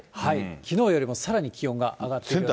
きのうよりもさらに気温が上がってます。